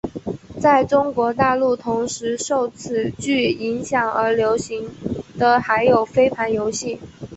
在中国大陆同时受此剧影响而流行的还有飞盘游戏。